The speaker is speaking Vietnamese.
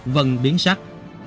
vân biến sắc